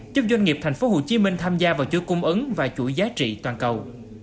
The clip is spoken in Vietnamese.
giúp doanh nghiệp tp hcm tham gia vào chuỗi cung ứng và chuỗi giá trị toàn cầu